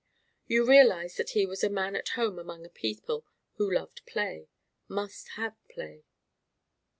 You realized that he was a man at home among a people who loved play must have play.